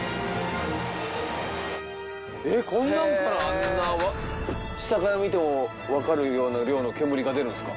こんなんからあんな下から見ても分かるような量の煙が出るんすか。